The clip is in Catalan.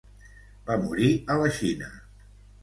Va morir a la Xina.